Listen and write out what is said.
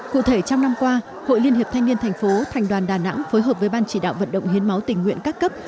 cụ thể trong năm qua hội liên hiệp thanh niên thành phố thành đoàn đà nẵng phối hợp với ban chỉ đạo vận động hiến máu tình nguyện các cấp